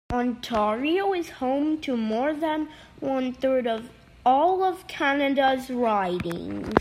Ontario is home to more than one third of all of Canada's ridings.